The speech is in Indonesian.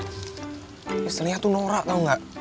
tapi sebenarnya tuh norak tau gak